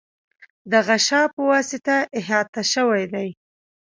د غشا په واسطه احاطه شوی دی.